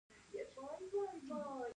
ماش واړه دي.